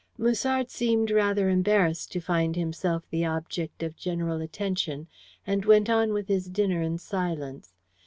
Musard seemed rather embarrassed to find himself the object of general attention, and went on with his dinner in silence.